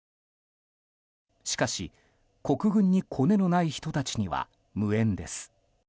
しかし、国軍にコネのない人たちには無縁です。